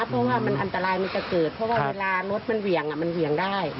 เพราะว่ามันอันตรายมันจะเกิดเพราะว่าเวลารถมันเหวี่ยงมันเหวี่ยงได้